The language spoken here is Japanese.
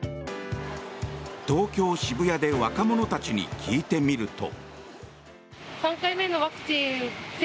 東京・渋谷で若者たちに聞いてみると。